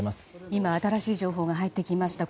今、新しい情報が入ってきました。